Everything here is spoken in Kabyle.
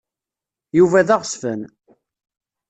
Yuba d aɣezfan.